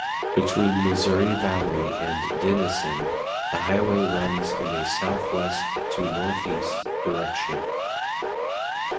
Between Missouri Valley and Denison, the highway runs in a southwest-to-northeast direction.